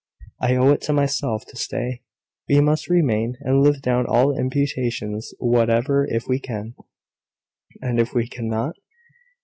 I owe it to myself to stay. We must remain, and live down all imputations whatever, if we can." "And if we cannot?"